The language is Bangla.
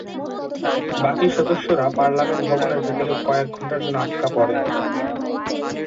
বাকি সদস্যরা পার্লামেন্ট ভবনের ভেতরে কয়েক ঘণ্টার জন্য আটকা পড়েন।